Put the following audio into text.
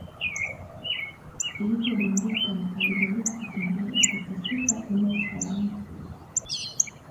ilipodondoka na ajaribu kutembea kutafiuta eneo salama